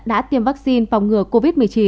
đã tiêm vaccine phòng ngừa covid một mươi chín